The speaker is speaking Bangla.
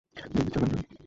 ডেভিড, যাবেন না!